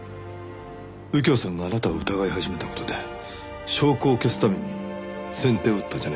右京さんがあなたを疑い始めた事で証拠を消すために先手を打ったんじゃないか？